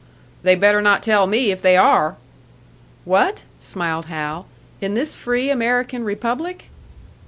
"They better not tell me if they are!" "What?" smiled Hal. "In this free American republic?"